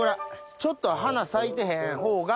ちょっと花咲いてへん方が。